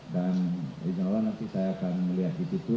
dan semoga nanti saya akan melihat di situ